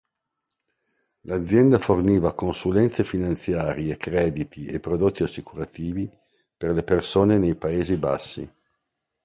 L'azienda forniva consulenze finanziarie, crediti e prodotti assicurativi per le persone nei Paesi Bassi.